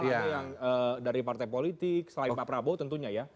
ada yang dari partai politik selain pak prabowo tentunya ya